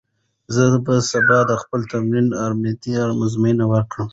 زه به سبا د خپل تمرکز او ارامتیا ازموینه وکړم.